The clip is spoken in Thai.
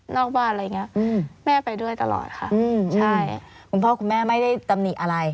บ้านอะไรอย่างเงี้ยอืมแม่ไปด้วยตลอดค่ะอืมใช่คุณพ่อคุณแม่ไม่ได้ตำหนิอะไร